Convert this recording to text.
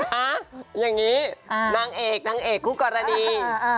อย่างนี้นางเอกนางเอกคู่กรณี